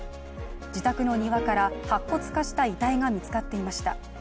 自宅の庭から白骨化した遺体が見つかっていました。